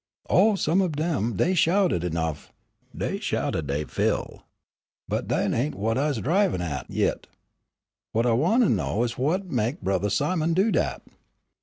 "Oh, some o' dem, dey shouted enough, dey shouted dey fill. But dat ain' whut I's drivin' at yit. Whut I wan' 'o know, whut mek Brothah Simon do dat?"